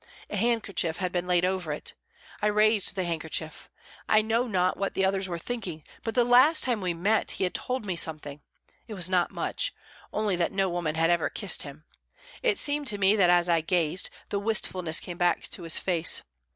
A handkerchief had been laid over it. I raised the handkerchief. I know not what the others were thinking, but the last time we met he had told me something, it was not much only that no woman had ever kissed him. It seemed to me that, as I gazed, the wistfulness came back to his face.